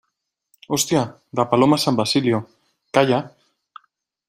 ¡ hostia, la Paloma San Basilio! ¡ calla !